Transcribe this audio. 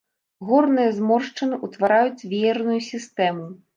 Горныя зморшчыны ўтвараюць веерную сістэму.